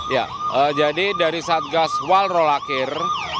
ya jadi dari kasatgas walro lakir